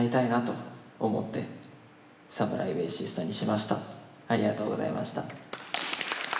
えっとあのありがとうございました。